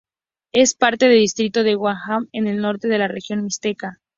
Es parte del distrito de Huajuapan, en el norte de la Región Mixteca.